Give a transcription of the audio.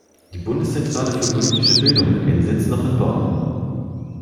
Die Bundeszentrale für politische Bildung hat ihren Sitz noch in Bonn.